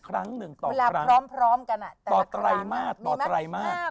แล้วสาบรางยังไง